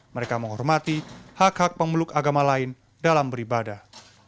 mereka menghormati hak hak pemeluk agama lain dalam beribadah